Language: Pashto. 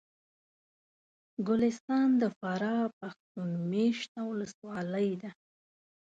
ګلستان د فراه پښتون مېشته ولسوالي ده